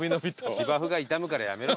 芝生が傷むからやめろ。